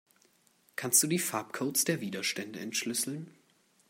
Kannst du die Farbcodes der Widerstände entschlüsseln?